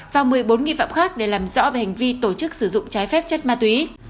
và một mươi bốn nghi phạm khác để làm rõ về hành vi tổ chức sử dụng trái phép chất ma túy